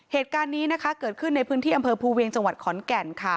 เหตุการณ์นี้เกิดขึ้นในพื้นที่อำเภอภูเวียงจังหวัดขอนแก่น